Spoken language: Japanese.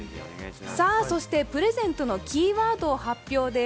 そしてプレゼントのキーワードを発表です。